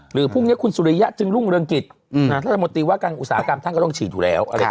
พรุ่งนี้คุณสุริยะจึงรุ่งเรืองกิจรัฐมนตรีว่าการอุตสาหกรรมท่านก็ต้องฉีดอยู่แล้ว